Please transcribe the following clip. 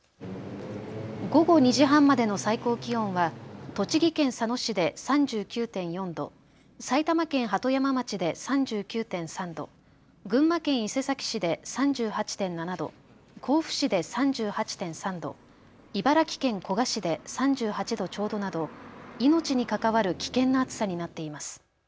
午後２時半までの最高気温は栃木県佐野市で３９．４度、埼玉県鳩山町で３９．３度、群馬県伊勢崎市で３８．７度、甲府市で３８．３度、茨城県古河市で３８度ちょうどなど命に関わる危険な暑さになっています。